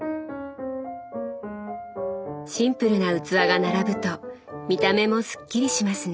シンプルな器が並ぶと見た目もすっきりしますね。